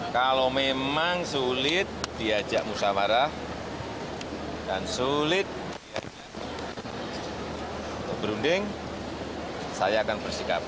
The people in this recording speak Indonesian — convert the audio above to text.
kalau memang sulit diajak musawarah dan sulit untuk berunding saya akan bersikap